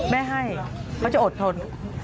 ไม่ให้เขาจะอดทน